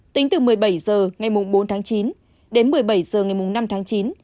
tính từ một mươi bảy h ngày bốn tháng chín đến một mươi bảy h ngày năm tháng chín